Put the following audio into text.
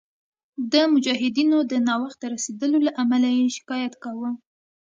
د مجاهدینو د ناوخته رسېدلو له امله یې شکایت کاوه.